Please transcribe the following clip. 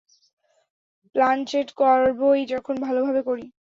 Planchette করবোই যখন, ভালোভাবে করি।